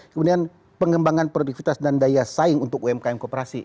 kemudian pengembangan produktivitas dan daya saing untuk umkm kooperasi